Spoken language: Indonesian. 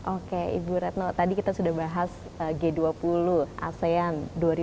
oke ibu retno tadi kita sudah bahas g dua puluh asean dua ribu dua puluh